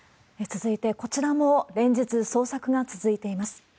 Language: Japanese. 続いて、こちらも連日、捜索が続いています。